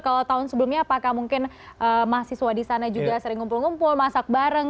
kalau tahun sebelumnya apakah mungkin mahasiswa di sana juga sering ngumpul ngumpul masak bareng